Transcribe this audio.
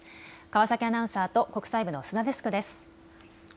川崎アナウンサーと国際部の須田デスクです。